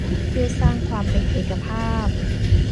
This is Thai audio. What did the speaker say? เพื่อสร้างความเป็นเอกภาพ